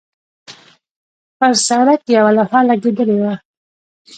پر سړک یوه لوحه لګېدلې وه.